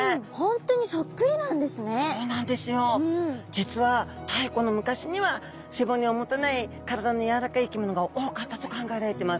実は太古の昔には背骨を持たない体のやわらかい生き物が多かったと考えられてます。